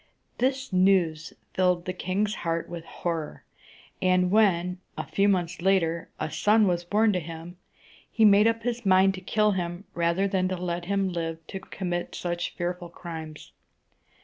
This news filled the king's heart with horror; and when, a few months later, a son was born to him, he made up his mind to kill him rather than let him live to commit such fearful crimes.